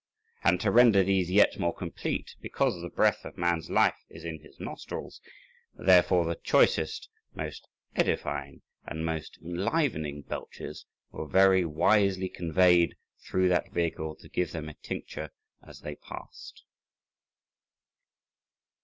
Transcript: And to render these yet more complete, because the breath of man's life is in his nostrils, therefore the choicest, most edifying, and most enlivening belches were very wisely conveyed through that vehicle to give them a tincture as they passed.